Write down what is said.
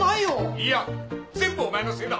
いや全部お前のせいだ！